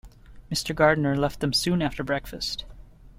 Mr. Gardiner left them soon after breakfast.